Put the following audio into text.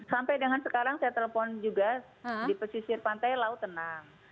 sampai dengan sekarang saya telepon juga di pesisir pantai laut tenang